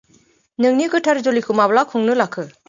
नोंनि गोथार जुलिखौ माब्ला खुंनो लाखो?